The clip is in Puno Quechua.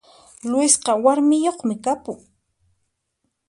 Luisqa warmiyoqmi kapun